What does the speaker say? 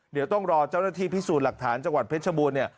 เดี๋ยวต้องรอเจ้าหน้าที่พิสูจน์หลักฐานจังหวัดเพชรบูรณ์เนี่ย